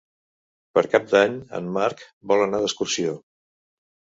Per Cap d'Any en Marc vol anar d'excursió.